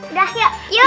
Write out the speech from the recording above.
udah ya yuk